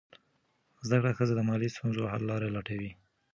زده کړه ښځه د مالي ستونزو حل لاره لټوي.